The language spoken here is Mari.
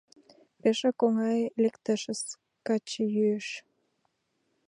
Пешак оҥай лектешыс: качыйӱыш.